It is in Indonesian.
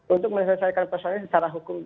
untuk menyelesaikan persoalan secara hukum